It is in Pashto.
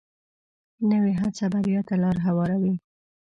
نوې هڅه بریا ته لار هواروي